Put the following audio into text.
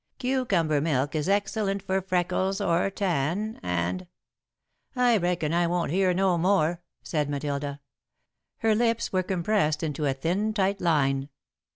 'Cucumber milk is excellent for freckles or tan, and '" "I reckon I won't hear no more," said Matilda. Her lips were compressed into a thin tight line.